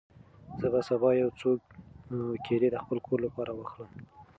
زه به سبا یو څو کیلې د خپل کور لپاره واخلم.